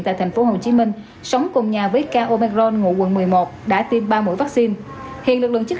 tại tp hcm sống cùng nhà với k obaron ngụ quận một mươi một đã tiêm ba mũi vaccine hiện lực lượng chức